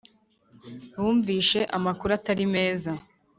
buvishe amakuru atari meza